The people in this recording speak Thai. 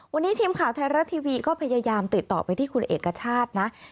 วันนี้ทีมข่าวไทยรัฐทีวีก็พยายามติดต่อไปที่คุณเอกชาตินะ